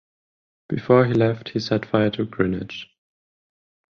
Before he left he set fire to "Greenwich".